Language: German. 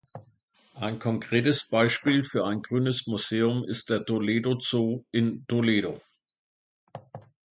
Ein konkretes Beispiel für ein grünes Museum ist der Toledo Zoo in Toledo.